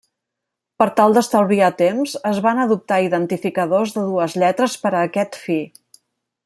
Per tal d'estalviar temps, es van adoptar identificadors de dues lletres per a aquest fi.